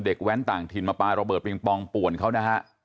แว้นต่างถิ่นมาปลาระเบิดปิงปองป่วนเขานะฮะ